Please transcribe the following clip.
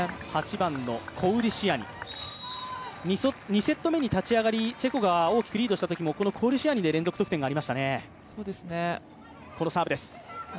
８番のコウリシアニ、２セット目に立ち上がり、チェコが大きくリードしたときもこのコウリシアニで連続得点がありましたね。